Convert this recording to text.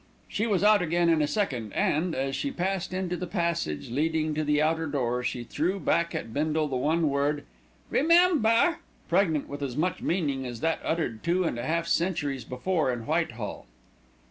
She was out again in a second and, as she passed into the passage leading to the outer door, she threw back at Bindle the one word "Remember," pregnant with as much meaning as that uttered two and a half centuries before in Whitehall.